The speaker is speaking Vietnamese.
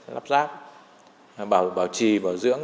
lắp ráp bảo trì bảo dưỡng